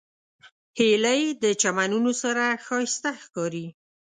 هیلۍ د چمنونو سره ښایسته ښکاري